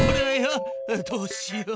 どうしよう。